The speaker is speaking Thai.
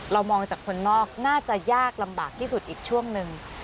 มองจากคนนอกน่าจะยากลำบากที่สุดอีกช่วงหนึ่ง